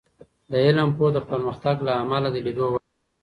د علم پوهه د پرمختګ د لامله د لید وړ ده.